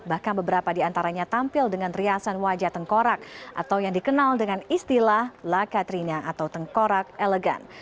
bahkan beberapa di antaranya tampil dengan riasan wajah tengkorak atau yang dikenal dengan istilah la katrina atau tengkorak elegan